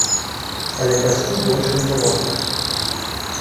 Але пяску больш не было.